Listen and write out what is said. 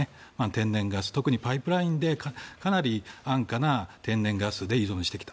天然ガスパイプラインでかなり安価な天然ガスで依存してきた。